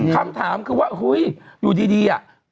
คำถามคือว่าเฮ้ยอยู่ดีอะ